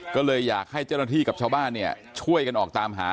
ก็เลยอยากให้เจ้าหน้าที่กับชาวบ้านเนี่ยช่วยกันออกตามหา